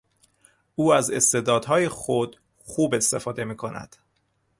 او از استعدادهای خود خوب استفاده میکند.